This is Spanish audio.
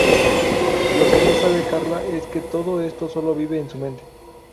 Lo que no sabe Carla es que todo esto solo vive en su mente.